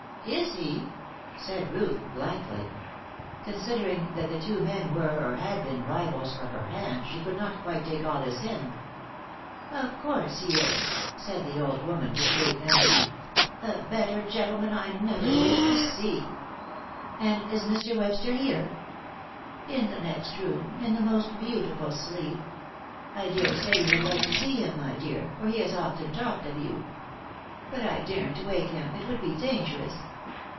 "Is he?" said Ruth, blankly. Considering that the two men were, or had been, rivals for her hand, she could not quite take all this in. "Of course he is," said the old woman, with great energy. "A better gentleman I never wish to see." "And is Mr. Webster here?" "In the next room, in the most beautiful sleep. I daresay you would like to see him, my dear, for he has often talked of you. But I daren't wake him, it would be dangerous.